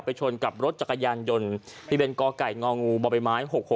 ไปชนกับรถจักรยานยนต์ทะเบียนกอไก่งองูบ่อไปไม้